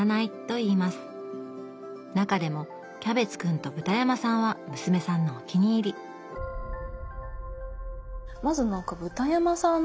中でも「キャベツくんとブタヤマさん」は娘さんのお気に入りまずなんかブタヤマさん